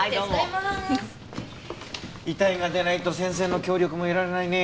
遺体が出ないと先生の協力も得られないねえ。